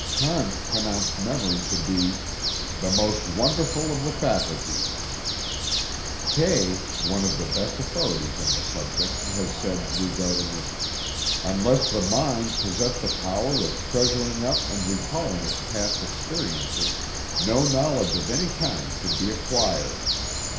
Kant pronounced memory to be "the most wonderful of the faculties." Kay, one of the best authorities on the subject has said, regarding it: "Unless the mind possessed the power of treasuring up and recalling its past experiences, no knowledge of any kind could be acquired.